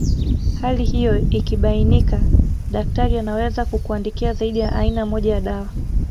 Hali hiyo ikibainika daktari anaweza kukuandikia zaidi ya aina moja ya dawa